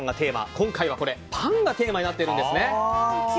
今回はパンがテーマになっているんですね。